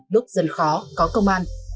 lúc dân khó có công an